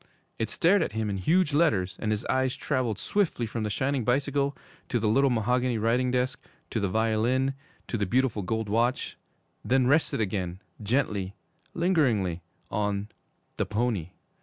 '_ It stared at him in huge letters, and his eyes traveled swiftly from the shining bicycle to the little mahogany writing desk, to the violin, to the beautiful gold watch then rested again gently, lingeringly, on THE PONY.